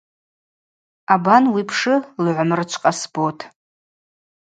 Абан уипшы Лгӏвамрычв Къасбот.